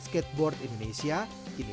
skateboard indonesia kini